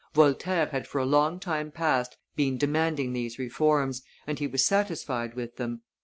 Voltaire had for a long time past been demanding these reforms, and he was satisfied with them.